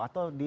atau di jepang